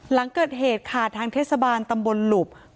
หลังเกิดเหตุค่ะทางเทศบาลตำบลหลุบ